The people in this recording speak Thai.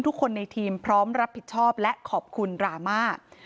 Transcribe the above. ทุกคนในทีมพร้อมรับผิดชอบและขอบคุณดราม่า